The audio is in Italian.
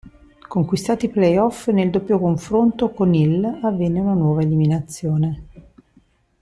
Conquistati i play-off, nel doppio confronto con il avvenne una nuova eliminazione.